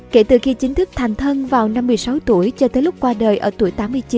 kể từ khi chính thức thành thân vào năm một mươi sáu tuổi cho tới lúc qua đời ở tuổi tám mươi chín